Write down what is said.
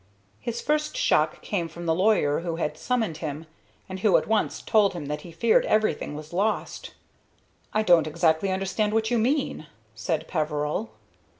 His first shock came from the lawyer who had summoned him, and who at once told him that he feared everything was lost. "I don't exactly understand what you mean," said Peveril.